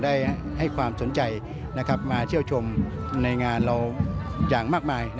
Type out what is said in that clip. ได้ให้ความสนใจนะครับมาเชี่ยวชมในงานเราอย่างมากมาย